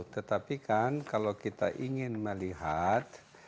tetapi kan kalau kita ingin melihat